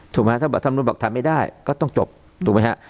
ถูกไหมฮะถ้าธรรมนุนบอกทำไม่ได้ก็ต้องจบถูกไหมฮะ